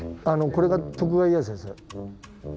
これが徳川家康です。